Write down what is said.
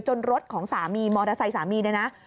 รถของสามีมอเตอร์ไซค์สามีเนี่ยนะ